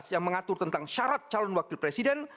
yang mengatur tentang syarat calon wakil presiden